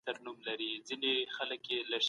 حکومت به د غریبانو لپاره کورونه جوړ کړي.